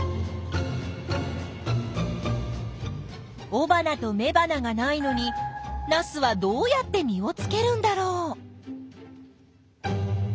おばなとめばながないのにナスはどうやって実をつけるんだろう？